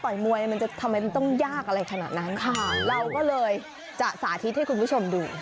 มวยมันจะทำไมมันต้องยากอะไรขนาดนั้นค่ะเราก็เลยจะสาธิตให้คุณผู้ชมดู